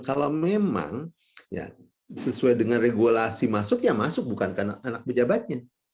kalau memang sesuai dengan regulasi masuk ya masuk bukan karena anak pejabatnya